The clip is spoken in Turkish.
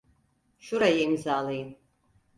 Şurayı imzalayın.